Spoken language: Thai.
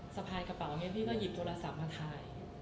สะพายกระเป๋าอย่างนี้พี่ก็หยิบโทรศัพท์มาถ่าย